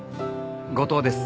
後藤です。